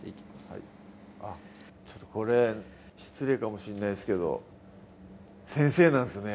はいこれ失礼かもしんないですけど先生なんですね